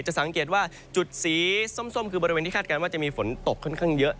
สังเกตว่าจุดสีส้มคือบริเวณที่คาดการณ์ว่าจะมีฝนตกค่อนข้างเยอะ